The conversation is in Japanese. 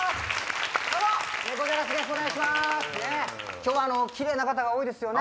今日はキレイな方が多いですね。